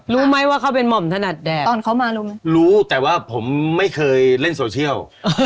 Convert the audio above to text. รู้ไหมว่าเขาเป็นหม่อมถนัดแดดตอนเขามารู้ไหมรู้แต่ว่าผมไม่เคยเล่นโซเชียล